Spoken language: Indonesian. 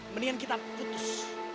mendingan kita putus